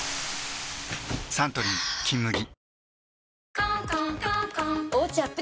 サントリー「金麦」